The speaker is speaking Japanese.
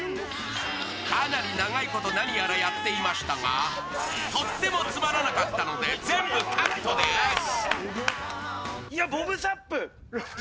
かなり長いこと何やらやっていましたがとってもつまらなかったので全部カットです！